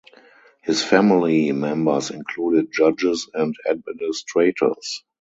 His family members included judges and administrators.